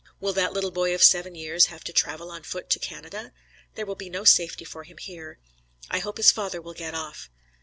Will that little boy of seven years have to travel on foot to Canada? There will be no safety for him here. I hope his father will get off.